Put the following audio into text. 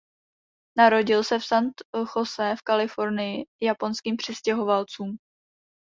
Narodil se v San José v Kalifornii japonským přistěhovalcům.